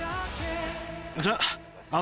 じゃあ。